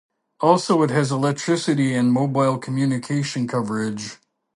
Also it has electricity and mobile communication coverage.